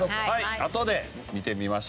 あとで見てみましょう。